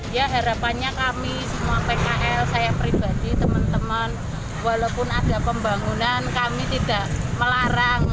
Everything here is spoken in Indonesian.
ya harapannya kami semua pkl saya pribadi teman teman walaupun ada pembangunan kami tidak melarang